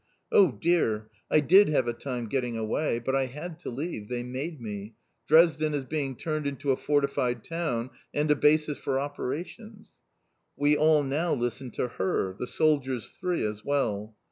Oh dear! I did have a time getting away. But I had to leave! They made me. Dresden is being turned into a fortified town and a basis for operations!" We all now listen to her, the soldiers three as well.